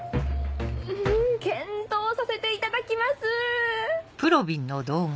んん検討させていただきます！